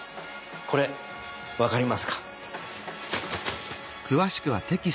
これ分かりますか？